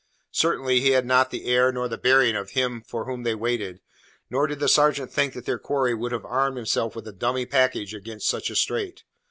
Certainly he had not the air nor the bearing of him for whom they waited, nor did the sergeant think that their quarry would have armed himself with a dummy package against such a strait.